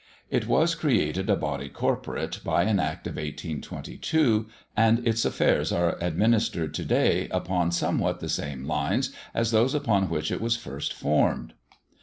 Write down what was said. It was created a body corporate by an Act of 1822, and its affairs are administered to day upon somewhat the same lines as those upon which it was first formed.